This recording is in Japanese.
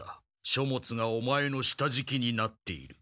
書物がオマエの下じきになっている。